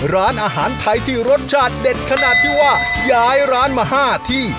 ร้านอาหารไทยที่รสชาติเด็ดขนาดที่ว่าย้ายร้านมา๕ที่